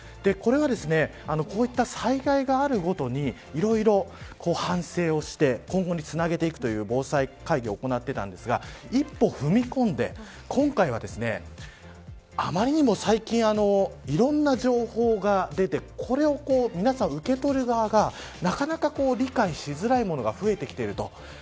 これはこういった災害があるごとにいろいろ反省をして今後につなげていくという防災会議を行っていたんですが一歩踏み込んで今回はあまりにも最近いろんな情報が出てこれを皆さん受け取る側がなかなか理解しづらいものが増えてきていると。